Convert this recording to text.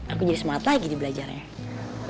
aku jadi semangat lagi di belajarnya